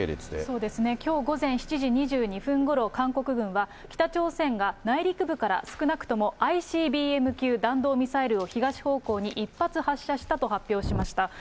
そうですね、きょう午前７時２２分ごろ、韓国軍は、北朝鮮が内陸部から少なくともＩＣＢＭ級弾道ミサイルを東方向に１発発射したと発表しました。